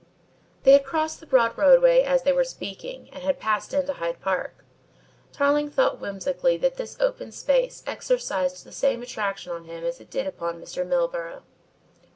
They had crossed the broad roadway as they were speaking and had passed into Hyde Park. Tarling thought whimsically that this open space exercised the same attraction on him as it did upon Mr. Milburgh.